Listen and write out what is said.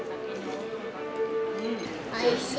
おいしい。